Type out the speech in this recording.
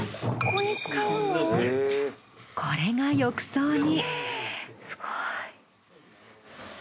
これが浴槽に。